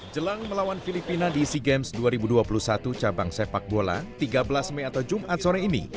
jelang melawan filipina di sea games dua ribu dua puluh satu cabang sepak bola tiga belas mei atau jumat sore ini